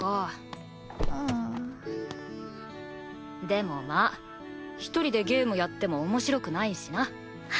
でもまあ一人でゲームやっても面白くないしな。